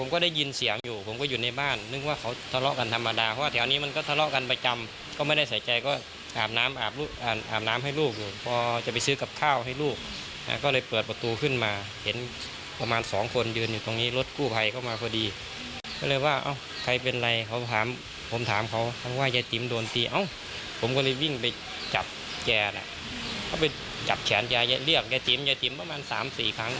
ก็ไปจับแจนะเขาไปจับแฉนแจเลี่ยงแจจิ๋มแจจิ๋มประมาณ๓๔ครั้ง